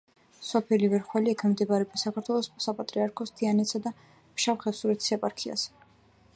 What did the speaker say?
სოფელი ვერხველი ექვემდებარება საქართველოს საპატრიარქოს თიანეთისა და ფშავ-ხევსურეთის ეპარქიას.